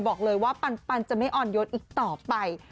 บอกเลยว่าปันจะไม่อ่อนโยนอีกต่อไป